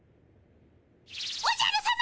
おじゃるさま！